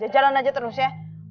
jalan aja terus ya